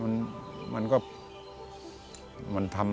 ทำด้วยความรู้ของตัวเองที่ตัวเองรู้แค่นั้น